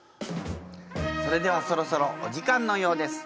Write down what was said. それではそろそろお時間のようです。